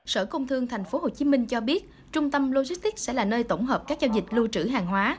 sở công thương tp hcm cho biết trung tâm logistics sẽ là nơi tổng hợp các giao dịch lưu trữ hàng hóa